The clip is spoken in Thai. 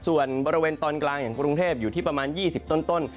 ส่วนบริเวณตอนกลางอย่างกรุงเทพอยู่ที่ประมาณ๒๐ต้น